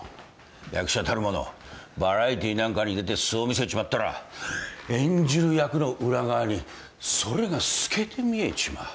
役者たる者バラエティーなんかに出て素を見せちまったら演じる役の裏側にそれが透けて見えちまう。